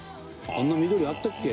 あんな緑あったっけ？